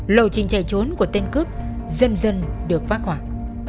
lầu trình chạy trốn của tên cướp dần dần được phát hoạt